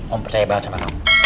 om percaya banget sama kamu